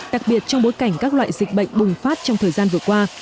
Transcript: đặc biệt trong bối cảnh các loại dịch bệnh bùng phát trong thời gian vừa qua